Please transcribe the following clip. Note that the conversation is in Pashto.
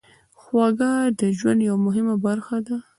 خوږه د ژوند یوه مهمه برخه ده.